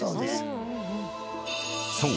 ［そう。